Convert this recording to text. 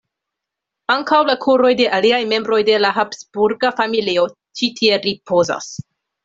Ankaŭ la koroj de aliaj membroj de la habsburga familio ĉi tie ripozas.